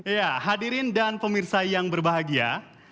ya hadirin dan pemirsa yang berbahagia